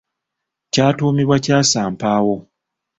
Kyatuumibwa Kyasampaawo.